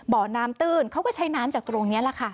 บ่อน้ำตื้นเขาก็ใช้น้ำจากตรงนี้แหละค่ะ